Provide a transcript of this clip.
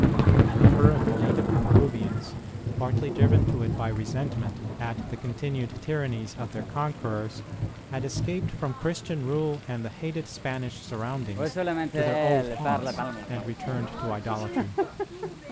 A number of the native Peruvians partly driven to it by resentment at ROSE GAINS GRACES FOR HER NATIVE CITY I2Q the continued tyrannies of their conquerors had escaped from Christian rule and the hated Spanish surroundings to their old haunts, and returned to idolatry.